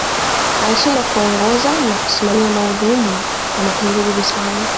Alishindwa kuongoza na kusimamia madhumuni ya Mapinduzi Visiwani